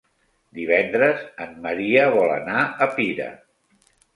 Divendres en Maria vol anar a Pira.